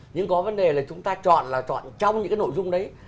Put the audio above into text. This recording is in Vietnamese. nhưng có vấn đề là chúng ta chọn là chọn trong những cái nội dung đấy